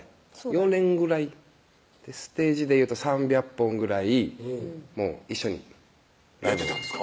４年ぐらいステージでいうと３００本ぐらい一緒にやってたんですか？